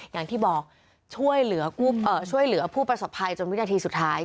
อย่างที่บอกช่วยเหลือผู้ประสบภัยจนวินาทีสุดท้าย